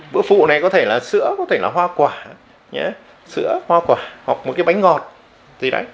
bữa phụ này có thể là sữa hoa quả hoặc một cái bánh ngọt gì đấy